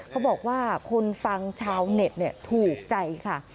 เขาบอกว่าคนฟังชาวเน็ตถูกใจค่ะ